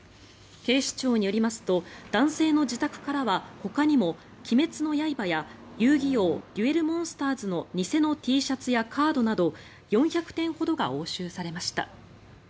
警視庁によりますと男性の自宅からはほかにも「鬼滅の刃」や「遊☆戯☆王デュエルモンスターズ」の偽のＴシャツやカードなど４００点ほどが押収されました。